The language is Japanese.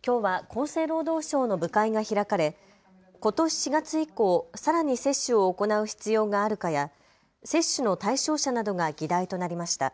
きょうは厚生労働省の部会が開かれことし４月以降、さらに接種を行う必要があるかや接種の対象者などが議題となりました。